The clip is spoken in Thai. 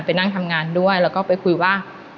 ไปนั่งทำงานด้วยแล้วก็ไปคุยว่า